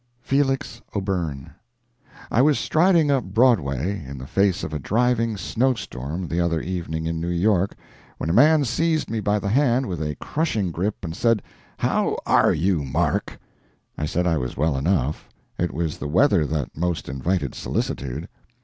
FELIX O'BYRNE. I was striding up Broadway, in the face of a driving snow storm, the other evening in New York, when a man seized me by the hand with a crushing grip and said: "How are you, Mark?" I said I was well enough—it was the weather that most invited solicitude.